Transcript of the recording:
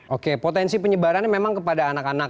oke potensi penyebarannya memang kepada anak anak